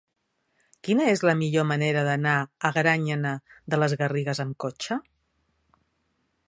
Quina és la millor manera d'anar a Granyena de les Garrigues amb cotxe?